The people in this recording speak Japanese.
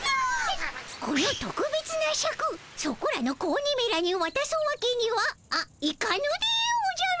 このとくべつなシャクそこらの子鬼めらにわたすわけにはあいかぬでおじゃる。